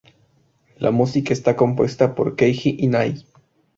La música está compuesta por Keiji Inai.